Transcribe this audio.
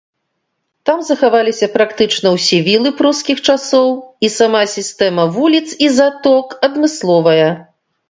Там захаваліся практычна ўсе вілы прускіх часоў, і сама сістэма вуліц і заток адмысловая.